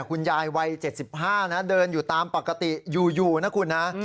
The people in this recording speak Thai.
คุณยายวัย๗๕นะเดินอยู่ตามปกติอยู่นะคุณนะ